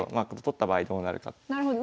なるほど。